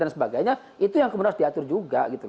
dan sebagainya itu yang harus diatur juga